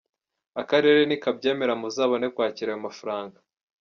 Akarere nikabyemera muzabone kwakira ayo mafaranga.